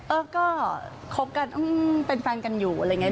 เออก็คบกันเป็นแฟนกันอยู่อะไรอย่างนี้